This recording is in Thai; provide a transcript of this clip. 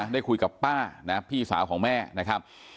ได้คุยกับป้านะพี่สาวของแม่นะครับ